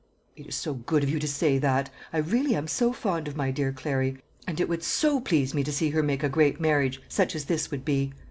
"It is so good of you to say that. I really am so fond of my dear Clary, and it would so please me to see her make a great marriage, such as this would be.